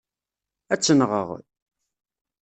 Ad tt-nɣeɣ.